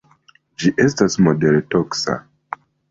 Ĝi estas modere toksa.